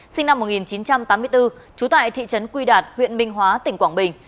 sinh năm một nghìn chín trăm tám mươi bốn trú tại thị trấn quy đạt huyện minh hóa tỉnh quảng bình